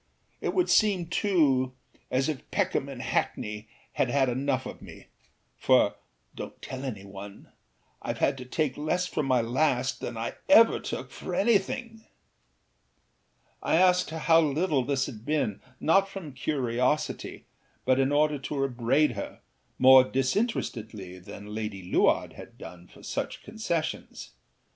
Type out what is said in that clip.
It would seem too as if Peckham and Hackney had had enough of me; for (donât tell any one!) Iâve had to take less for my last than I ever took for anything.â I asked her how little this had been, not from curiosity, but in order to upbraid her, more disinterestedly than Lady Luard had done, for such concessions.